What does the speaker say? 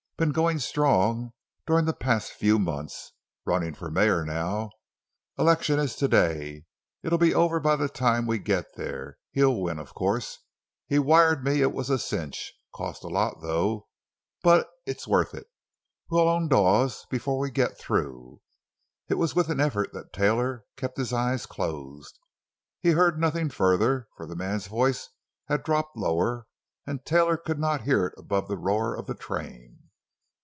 Been going strong during the past few months. Running for mayor now—election is today. It'll be over by the time we get there. He'll win, of course; he wired me it was a cinch. Cost a lot, though, but it's worth it. We'll own Dawes before we get through!" It was with an effort that Taylor kept his eyes closed. He heard nothing further, for the man's voice had dropped lower and Taylor could not hear it above the roar of the train.